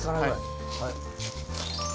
はい。